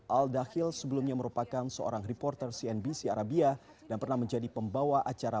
al dahil sebelumnya merupakan seorang reporter cnbc arabia dan pernah menjadi pembawa acara